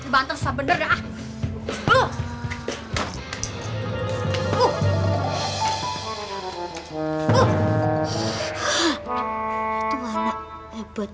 bantuan susah bener dah